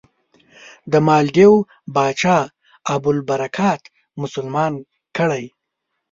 د مالدیو پاچا ابوالبرکات مسلمان کړی.